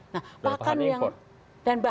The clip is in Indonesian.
nah bahannya impor